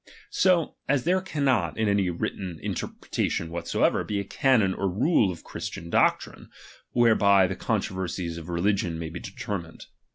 So as there cannot, in any written interpretation whatsoever, be a canon or rule of Christian doctrine, whereby the controversies of re ligion may be determined.